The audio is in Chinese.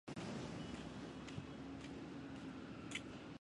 金太祖天辅七年被女真夺得。